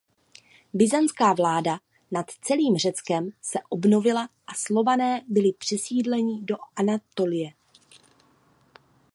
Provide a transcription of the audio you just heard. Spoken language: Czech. Byzantská vláda nad celým Řeckem se obnovila a Slované byli přesídlení do Anatolie.